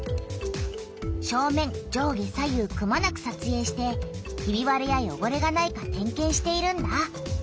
正面上下左右くまなくさつえいしてひびわれやよごれがないか点けんしているんだ。